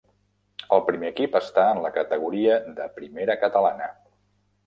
El primer equip està en la categoria de Primera Catalana.